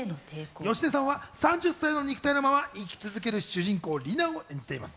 芳根さんは３０歳の肉体のまま生き続ける主人公・リナを演じています。